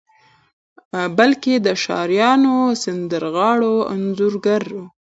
بلکې د شاعرانو، سندرغاړو، انځورګرو